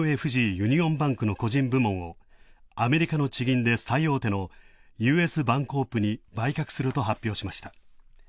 ユニオンバンクの個人部門を、アメリカの地銀で最大手のＵＳバンコープに売却すると発表しました。